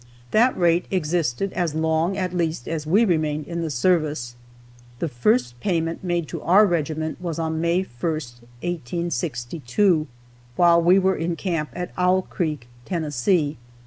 That rate existed as long, at least, as we remained in the service. The first payment made to our regiment was on May 1st, 1862, while we were in camp at Owl Creek, Tennessee.